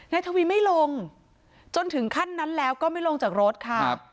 ทวีไม่ลงจนถึงขั้นนั้นแล้วก็ไม่ลงจากรถค่ะ